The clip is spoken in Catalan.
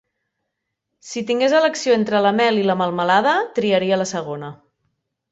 Si tingués elecció entre la mel i la melmelada, triaria la segona.